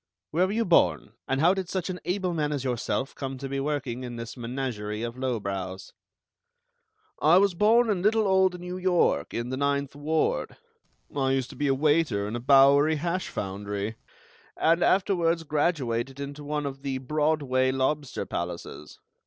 Where were you born, and how did such an able man as yourself come to be working in this menagerie of lowbrows?" "I was born in little old New York, in the Ninth Ward. I used to be a waiter in a Bowery hash foundry, and afterwards graduated into one of the Broadway lobster palaces.